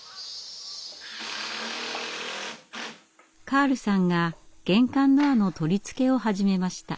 カールさんが玄関ドアの取り付けを始めました。